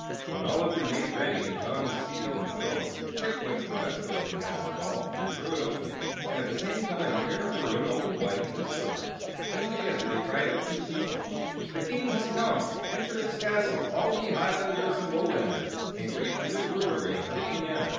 When all had been made ready and John was seated in the throne, Chick went to the west door of the castle hall and threw it open, and at the same time Para Bruin opened wide the east door. Then, together, they cried out to the people: [Illustration: KING DOUGH THE FIRST] "The King has come! Enter his castle, all ye Hilanders and Lolanders, and greet the new ruler in a fitting manner!"